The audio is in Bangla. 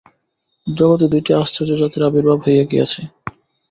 জগতে দুইটি আশ্চর্য জাতির আবির্ভাব হইয়া গিয়াছে।